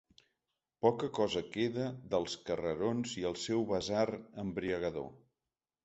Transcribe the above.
Poca cosa queda dels carrerons i el seu basar embriagador.